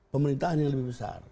pemerintahan yang lebih besar